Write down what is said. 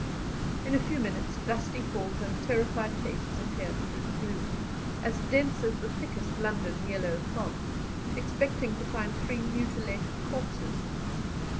In a few minutes dusty forms and terrified faces appeared through the gloom, as dense as the thickest London yellow fog, expecting to find three mutilated corpses.